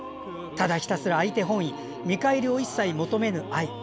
ただひたすら相手本位見返りを一切求めぬ愛。